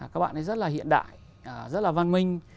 các bạn ấy rất là hiện đại rất là văn minh